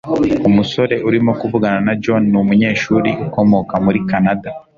umusore urimo kuvugana na john ni umunyeshuri ukomoka muri kanada